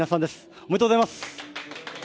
おめでとうございます。